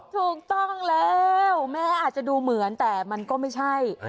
ถูกต้องแล้วแม้อาจจะดูเหมือนแต่มันก็ไม่ใช่